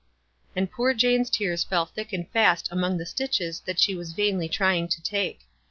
And poor Jane's tears fell thick and fast among the stitches that she was vainly trying to take.